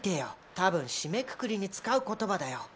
多分締めくくりに使う言葉だよ。